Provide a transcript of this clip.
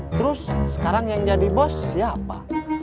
terus sekarang yang jadi bos siapa